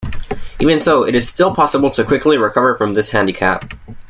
Even so, it is still possible to quickly recover from this handicap.